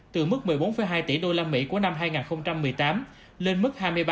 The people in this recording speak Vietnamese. từ mức một mươi bốn hai tỷ đô la mỹ của năm hai nghìn hai mươi